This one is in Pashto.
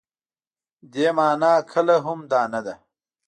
دې مانا کله هم دا نه ده.